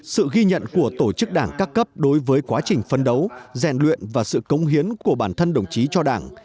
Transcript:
sự ghi nhận của tổ chức đảng các cấp đối với quá trình phấn đấu rèn luyện và sự công hiến của bản thân đồng chí cho đảng